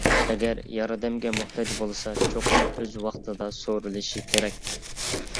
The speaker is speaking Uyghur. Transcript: ئەگەر ياردەمگە موھتاج بولسا چوقۇم ئۆز ۋاقتىدا سورىلىشى كېرەك.